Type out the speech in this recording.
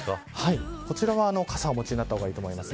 こちらは傘をお持ちになった方がいいと思います。